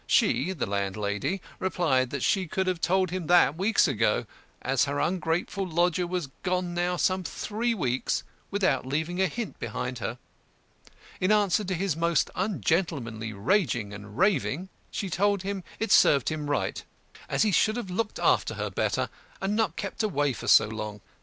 She (the landlady) replied that she could have told him that weeks ago, as her ungrateful lodger was gone now some three weeks without leaving a hint behind her. In answer to his most ungentlemanly raging and raving, she told him it served him right, as he should have looked after her better, and not kept away for so long.